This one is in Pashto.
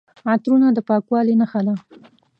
عطرونه د پاکوالي نښه ده.